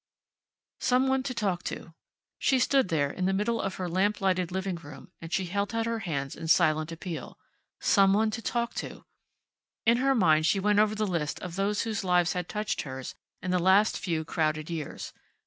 Some one to talk to. She stood there, in the middle of her lamp lighted living room, and she held out her hands in silent appeal. Some one to talk to. In her mind she went over the list of those whose lives had touched hers in the last few crowded years.